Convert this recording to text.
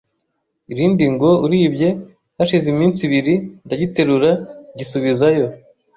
irindi ngo uribye, hashize iminsi ibiri ndagiterura ngisubizayo